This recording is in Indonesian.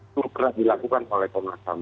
sudah pernah dilakukan oleh komnas ham